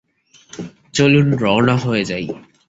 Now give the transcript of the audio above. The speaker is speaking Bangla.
চলুন, রওনা হয়ে যাই।